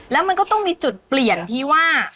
แล้วมันก็ต้องมีจุดเปลี่ยนที่ว่า